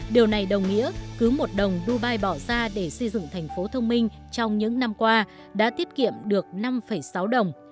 điều này đồng nghĩa cứ một đồng dubai bỏ ra để xây dựng thành phố thông minh trong những năm qua đã tiết kiệm được năm sáu đồng